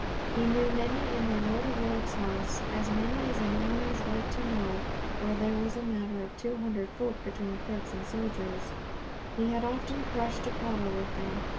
He knew many in my Lord of York's house—as many as a man was like to know where there was a matter of two hundred folk between clerks and soldiers, he had often crushed a pottle with them.